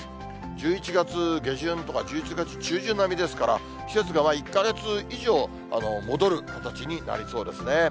１１月下旬とか１１月中旬並みですから、季節が１か月以上、戻る形になりそうですね。